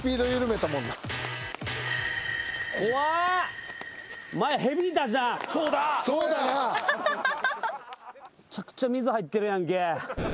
めちゃくちゃ水入ってるやんけ。